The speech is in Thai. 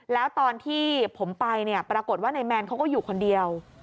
แล้วตอนที่ผมไปเนี่ยปรากฏว่านายแมนเขาก็อยู่คนเดียว